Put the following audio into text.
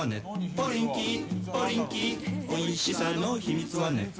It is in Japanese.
ポリンキー、ポリンキーおいしさの秘密はね。